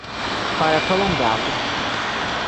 Para prolongá-lo.